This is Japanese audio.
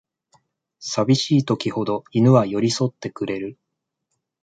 さびしい時ほど犬は寄りそってくれる